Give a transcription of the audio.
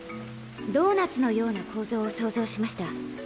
ドーナツのような構造を想像しました。